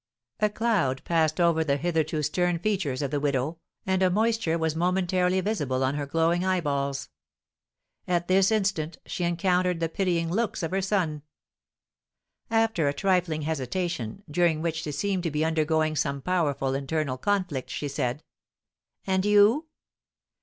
A cloud passed over the hitherto stern features of the widow, and a moisture was momentarily visible on her glowing eyeballs. At this instant she encountered the pitying looks of her son. After a trifling hesitation, during which she seemed to be undergoing some powerful internal conflict, she said: "And you?"